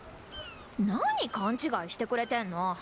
なに勘違いしてくれてんの。